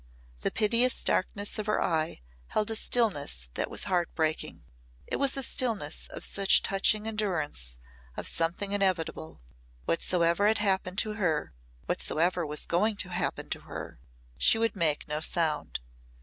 The piteous darkness of her eye held a stillness that was heart breaking. It was a stillness of such touching endurance of something inevitable. Whatsoever had happened to her, whatsoever was going to happen to her, she would make no sound.